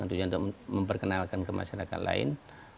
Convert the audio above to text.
tentunya untuk memperkenalkan ke masyarakat lain